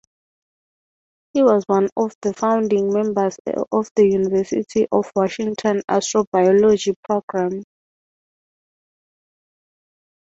He was one of the founding members of the University of Washington Astrobiology program.